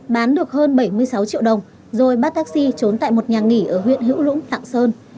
bán được hơn bảy mươi sáu triệu đồng rồi bắt taxi trốn tại một nhà nghỉ ở huyện hữu lũng tạng sơn